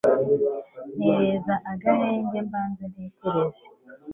mpereza agahenge mbanze ntekereze